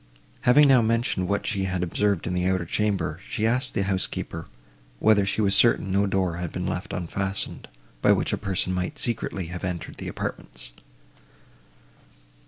Having now mentioned what she had observed in the outer chamber, she asked the housekeeper, whether she was certain no door had been left unfastened, by which a person might secretly have entered the apartments?